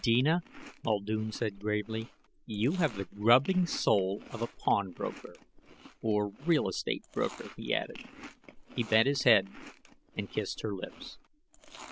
"Deena," Muldoon said gravely, "you have the grubbing soul of a pawnbroker. Or real estate broker," he added. He bent his head and kissed her lips.